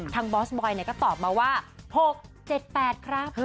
บอสบอยก็ตอบมาว่า๖๗๘ครับ